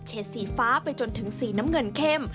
สีฟ้าไปจนถึงสีน้ำเงินเข้ม